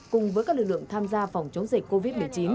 cùng với các lực lượng tham gia phòng chống dịch covid một mươi chín